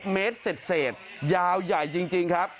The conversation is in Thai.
เมตรเศษยาวใหญ่จริงครับ